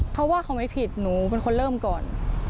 เพราะว่าเขาไม่ผิดหนูเป็นคนเริ่มก่อน